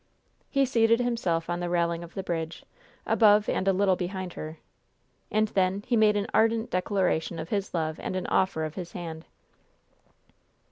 He seated himself on the railing of the bridge, above and a little behind her. And then he made an ardent declaration of his love and an offer of his hand.